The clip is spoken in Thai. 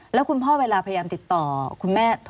แล้วคุณพ่อเวลาพยายามติดต่อคุณแม่